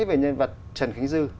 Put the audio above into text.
về nhân vật trần khánh dư